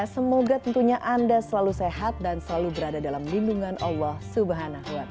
semoga tentunya anda selalu sehat dan selalu berada dalam lindungan allah swt